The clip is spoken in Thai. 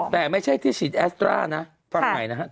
แต่ไม่ใช่ที่ฉีดแอสตรานะฟังใหม่นะครับ